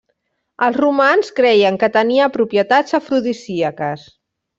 Els romans creien que tenia propietats afrodisíaques.